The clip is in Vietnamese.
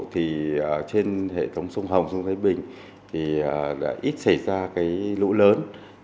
trên hệ thống sông hồng sông thái bình ít xảy ra lũ lớn